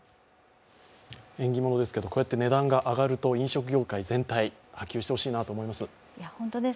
縁起物ですけどこうやって値段が上がると飲食業界全体、波及してほしいなと思います。